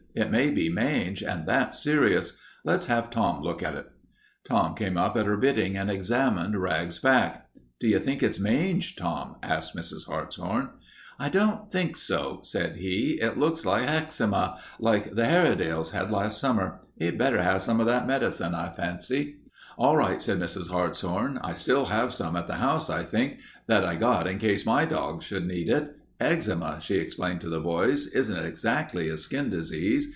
It may be mange, and that's serious. Let's have Tom look at it." Tom came up at her bidding and examined Rags's back. "Do you think it's mange, Tom?" asked Mrs. Hartshorn. "I don't think so," said he. "It looks like heczema, like the Hairedales had last summer. 'E better 'ave some of that medicine, I fancy." "All right," said Mrs. Hartshorn, "I still have some at the house, I think, that I got in case my dogs should need it. Eczema," she explained to the boys, "isn't exactly a skin disease.